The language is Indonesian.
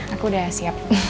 aku udah siap